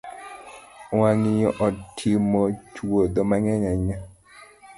Wang’yo otimo chuodho mang’eny ahinya